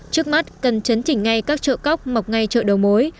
trước mắt cần chấn chỉnh ngay các chợ cóc mọc ngay chợ đầu mối